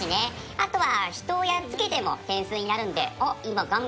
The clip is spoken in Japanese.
あとは人をやっつけても点数になるんで。